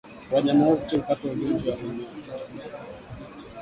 Wanyama wote hupata ugonjwa wa minyoo